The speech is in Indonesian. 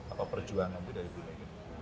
atau perjuangan itu dari bumega